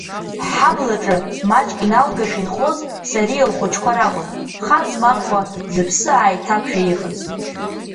Ҳҳаблаҿы, маҷк иналгашәа инхоз, Сариа лхәыҷқәа ракәын, хар змамкәа, зыԥсы ааиҭакшәа иҟаз.